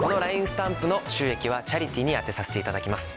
スタンプの収益はチャリティーに充てさせていただきます。